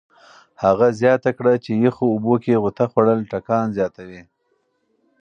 هغه زیاته کړه چې یخو اوبو کې غوطه خوړل ټکان زیاتوي.